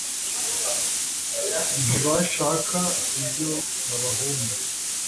ntibashaka ibyo babahunda